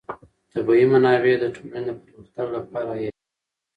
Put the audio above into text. طبیعي منابع د ټولنې د پرمختګ لپاره حیاتي دي.